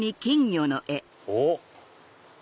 おっ！